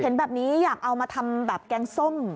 เห็นแบบนี้อยากเอามาทำแบบแกงส้ม